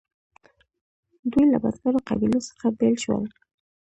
دوی له بزګرو قبیلو څخه بیل شول.